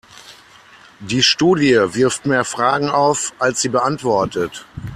Die Studie wirft mehr Fragen auf, als sie beantwortet.